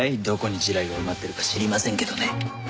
どこに地雷が埋まってるか知りませんけどね。